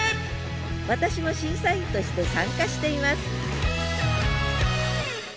私も審査員として参加しています！